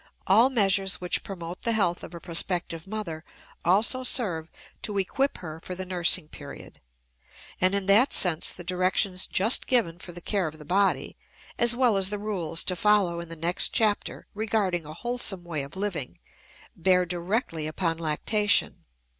All measures which promote the health of a prospective mother also serve to equip her for the nursing period; and in that sense the directions just given for the care of the body, as well as the rules to follow in the next chapter regarding a wholesome way of living, bear directly upon lactation.